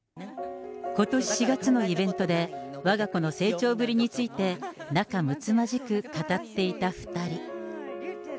ことし４月のイベントで、わが子の成長ぶりについて、仲睦まじく語っていた２人。